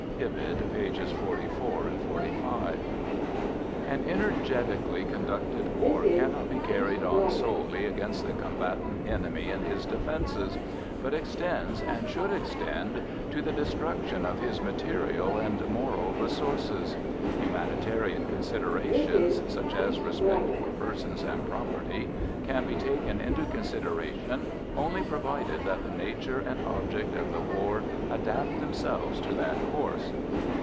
(Ibid pages 44 and 45) An energetically conducted war cannot be carried on solely against the combatant enemy and his defenses, but extends and should extend to _the destruction of his material and moral resources. Humanitarian considerations, such as respect for persons and property, can be taken into consideration only provided that the nature and object of the war adapt themselves to that course.